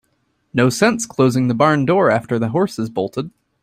No sense closing the barn door after the horse has bolted.